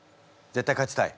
絶対勝ちたい？